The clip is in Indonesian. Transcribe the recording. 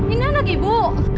ini anak ibu